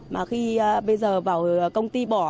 mà khi bây giờ bảo công ty bỏ